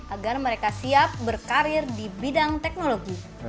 agar mereka siap berkarir di bidang teknologi